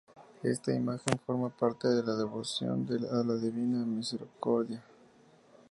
Esta imagen forma parte de la devoción a la Divina Misericordia.